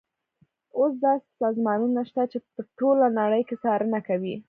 اوس داسې سازمانونه شته چې په ټوله نړۍ کې څارنه کوي.